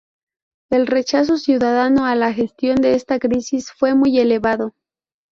El rechazo ciudadano a la gestión de esta crisis fue muy elevado.